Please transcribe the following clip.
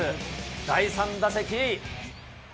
第３打席。